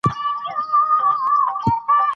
ادارې د خلکو ملکیت دي